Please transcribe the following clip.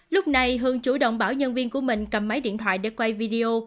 lúc này hương chủ động bảo nhân viên của mình cầm máy điện thoại để quay video